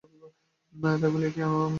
তাই বলিয়াই কি অনাদরে ফিরিয়া যাইতে হইবে?